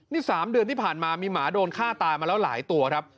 นี่๓เดือนที่ผ่านมามีหมาโดนฆ่าตายมาแล้วหลายตัวครับ